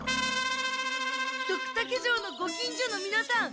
ドクタケ城のご近所のみなさん！